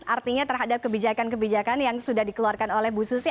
artinya terhadap kebijakan kebijakan yang sudah dikeluarkan oleh bu susi